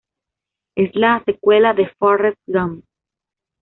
Es la secuela de Forrest Gump.